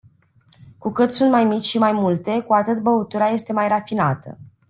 Cu cât sunt mai mici și mai multe, cu atât băutura este mai rafinată.